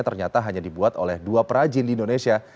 ternyata hanya dibuat oleh dua perajin di indonesia